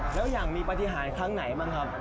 แล้วอย่างมีปฏิหารครั้งไหนบ้างครับ